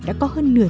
đã có hơn nửa